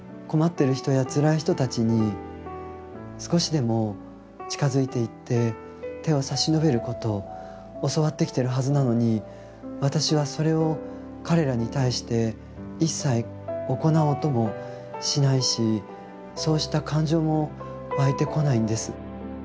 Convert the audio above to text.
困ってる人やつらい人たちに少しでも近づいていって手を差し伸べることを教わってきてるはずなのに私はそれを彼らに対して一切行おうともしないしそうした感情も湧いてこないんです。